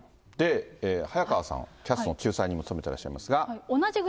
で、早川さん、ＣＡＳの仲裁人も務めていらっしゃいますが。